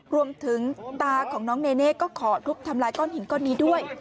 รวมถึงตาของน้องเนเน่ก็ขอทุบทำลายก้อนหินก้อนนี้ด้วย